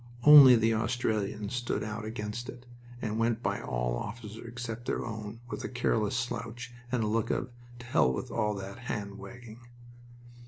Only the Australians stood out against it, and went by all officers except their own with a careless slouch and a look of "To hell with all that handwagging."